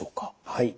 はい。